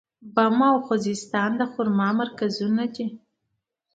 بم او خوزستان د خرما مرکزونه دي.